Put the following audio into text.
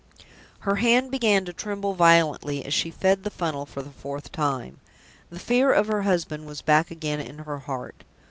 Her hand began to tremble violently as she fed the funnel for the fourth time. The fear of her husband was back again in her heart.